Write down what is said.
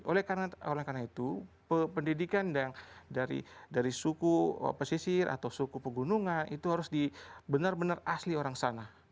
oleh karena itu pendidikan dari suku pesisir atau suku pegunungan itu harus di benar benar asli orang sana